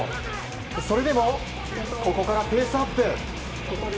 それでも、ここからペースアップ。